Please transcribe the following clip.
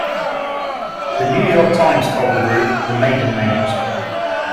The "New York Times" called the group the "Maiden Namers.